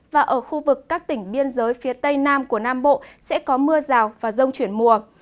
và ở khu vực các tỉnh biên giới phía tây nam của nam bộ sẽ có mưa rào và rông chuyển mùa